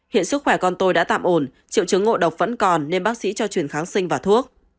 hiện sức khỏe con tôi đã tạm ổn triệu chứng ngộ độc vẫn còn nên bác sĩ cho chuyển kháng sinh và thuốc